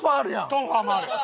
トンファーもある。